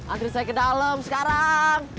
antri saya ke dalam sekarang